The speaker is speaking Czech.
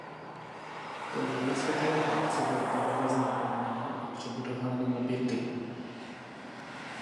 Po druhé světové válce byla budova znárodněna a přebudována na byty.